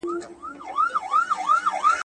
یا وینه ژاړي یا مینه ,